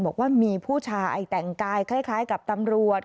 บอกว่ามีผู้ชายแต่งกายคล้ายกับตำรวจ